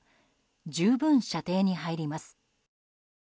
十分、射程に入ります。